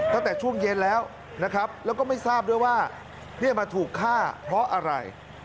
ตั้งแต่ช่วงเย็นแล้วนะครับแล้วก็ไม่ทราบด้วยว่าเนี่ยมาถูกฆ่าเพราะอะไร